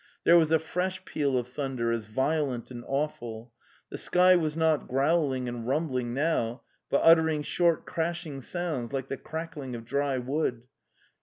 There was a fresh peal of thunder as violent and awful; the sky was not growling and rumbling now, but uttering short crashing sounds like the crackling of dry wood.